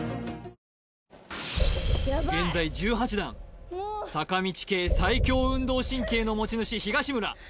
もう坂道系最強運動神経の持ち主東村